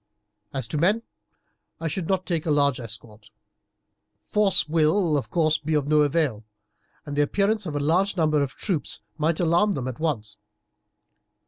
As to men I should not take a large escort. Force will, of course, be of no avail, and the appearance of a large number of troops might alarm them at once.